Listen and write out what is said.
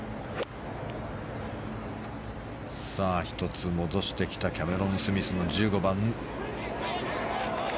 １つ戻してきたキャメロン・スミスの１５番。